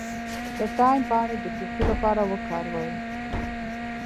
د تایم پاڼې د ټوخي لپاره وکاروئ